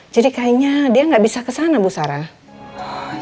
jadi kayaknya dia gak bisa kesana bu sarah